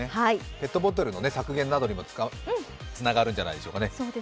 ペットボトルの削減などにもつながるんじゃないでしょうかね。